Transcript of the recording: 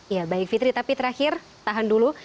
ya baik fitri tapi terakhir tahan dulu